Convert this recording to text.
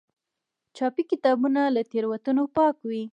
چاپي کتابونه له تېروتنو پاک وي.